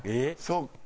そっか。